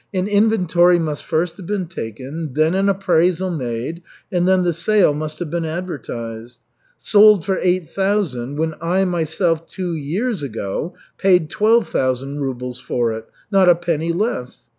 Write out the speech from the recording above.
An inventory must first have been taken, then an appraisal made, and then the sale must have been advertised. Sold for eight thousand when I myself two years ago paid twelve thousand rubles for it, not a penny less.